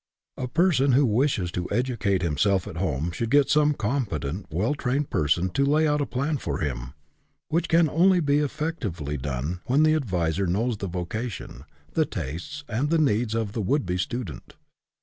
A person who wishes to educate himself at home should get some competent, well trained person to lay out a plan for him, which can only be effectively done when the adviser knows the vocation, the tastes, and the needs of the would be student.